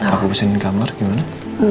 aku pesenin kamar gimana